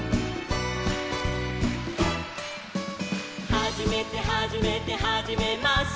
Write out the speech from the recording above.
「はじめてはじめてはじめまして」